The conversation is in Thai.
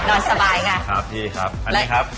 นอนสบายไงครับพี่ครับอันนี้ครับ